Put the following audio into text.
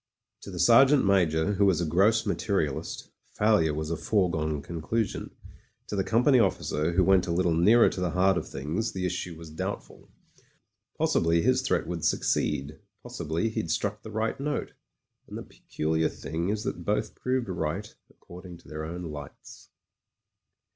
To the Sergeant Ma j or, who was a gross materialist, failure was a foregone conclusion; to the company officer, who went a little nearer to the PRIVATE MEYRICK— COMPANY IDIOT 67 heart of things, the issue was doubtful. Possibly his threat would succeed; possibly he'd struck the right note. And the peculiar thing is that both proved right according to their own lights.